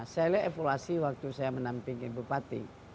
saya lihat evaluasi waktu saya menamping ibu pati